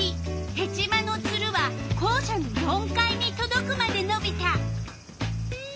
ヘチマのツルは校舎の４階にとどくまでのびた。